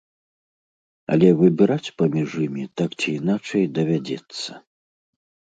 Але выбіраць паміж імі, так ці іначай, давядзецца.